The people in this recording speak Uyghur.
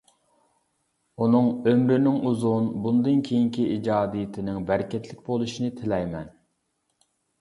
ئۇنىڭ ئۆمرىنىڭ ئۇزۇن، بۇندىن كېيىنكى ئىجادىيىتىنىڭ بەرىكەتلىك بولۇشىنى تىلەيمەن.